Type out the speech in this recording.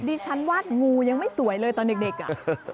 ดิฉันว่างูยังไม่สวยเลยตอนเด็กอ่ะ